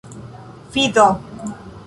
Fi do!